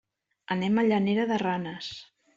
Anem a Llanera de Ranes.